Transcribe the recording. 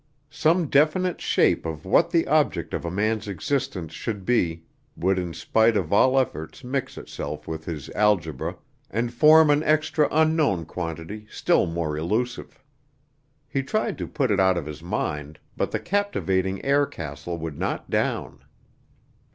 Some definite shape of what the object of a man's existence should be would in spite of all efforts mix itself with his algebra, and form an extra unknown quantity, still more elusive. He tried to put it out of his mind, but the captivating air castle would not down.